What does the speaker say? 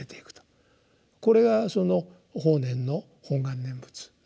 これがその法然の本願念仏のエキスですね。